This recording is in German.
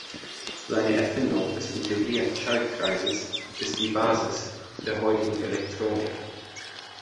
Seine Erfindung des Integrierten Schaltkreises ist die Basis der heutigen Elektronik.